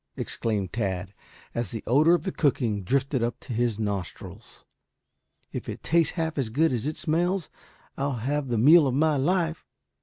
exclaimed Tad, as the odor of the cooking drifted up to his nostrils. "If it tastes half as good as it smells I'll have the meal of my life."